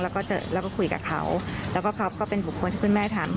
แล้วก็คุยกับเขาก็เป็นบุคคลที่คุณแม่ถาม